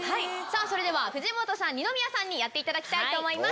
それでは藤本さん二宮さんにやっていただきたいと思います。